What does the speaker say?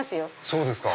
そうですか。